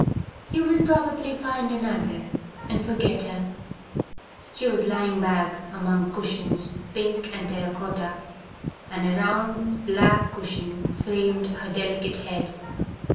"You will probably find another and forget her." She was lying back among cushions, pink and terra cotta, and a round black cushion framed her delicate head.